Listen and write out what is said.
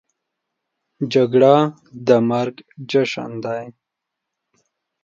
جګړه د مرګ جشن دی